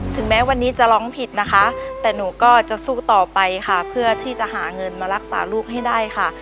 ถึงแม้วันนี้จะร้องผิดนะคะแต่หนูก็จะสู้ต่อไปค่ะเพื่อที่จะหาเงินมารักษาลูกให้ได้ค่ะ